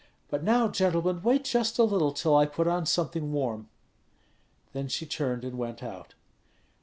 But now, gentlemen, wait just a little till I put on something warm." Then she turned and went out.